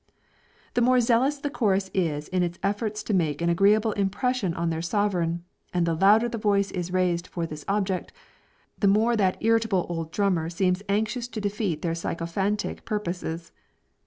The more zealous the chorus is in its efforts to make an agreeable impression on their sovereign, and the louder the voice is raised for this object, the more that irritable old drummer seems anxious to defeat their sycophantic purposes.